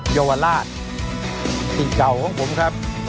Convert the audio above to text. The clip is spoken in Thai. เยาวราชที่เก่าของผมครับ